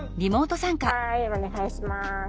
はいお願いします。